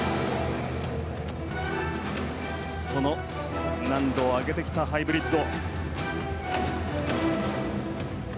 その難度を上げてきたハイブリッド。